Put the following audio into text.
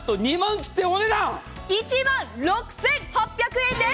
１万６８００円です。